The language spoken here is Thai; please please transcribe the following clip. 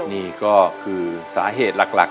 นี่ก็คือสาเหตุหลัก